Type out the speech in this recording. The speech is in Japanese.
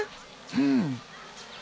うん。